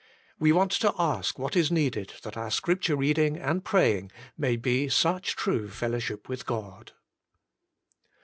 We want to ask what is needed that our Scripture reading and praying may be such true fellowship with God.